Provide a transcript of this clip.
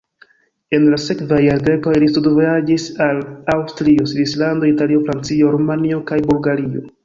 En la sekvaj jardekoj li studvojaĝis al Aŭstrio, Svislando, Italio, Francio, Rumanio kaj Bulgario.